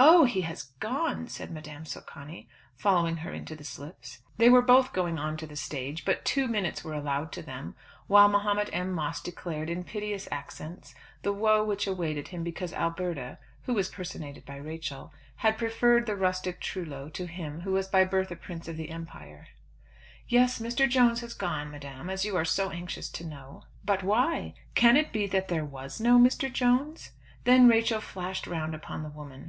"Oh, he has gone!" said Madame Socani, following her into the slips. They were both going on to the stage, but two minutes were allowed to them, while Mahomet M. Moss declared, in piteous accents, the woe which awaited him because Alberta, who was personated by Rachel, had preferred the rustic Trullo to him who was by birth a Prince of the Empire. "Yes, Mr. Jones has gone, Madame, as you are so anxious to know." "But why? Can it be that there was no Mr. Jones?" Then Rachel flashed round upon the woman.